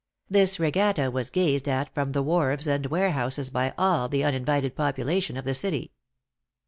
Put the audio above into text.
This regatta was gazed at from the wharves and warehouses by all the uninvited population of the city.